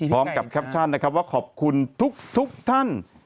แคปชั่นนะครับว่าขอบคุณทุกท่าน